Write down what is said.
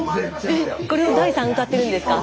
これを大さん歌ってるんですか？